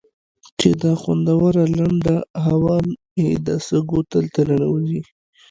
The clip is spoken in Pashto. چې دا خوندوره لنده هوا مې د سږو تل ته ننوځي.